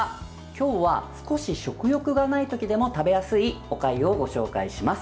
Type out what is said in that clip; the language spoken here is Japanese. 今日は少し食欲がない時でも食べやすいおかゆをご紹介します。